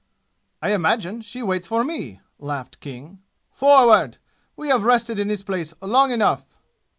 "I imagine she waits for me!" laughed King. "Forward! We have rested in this place long enough!"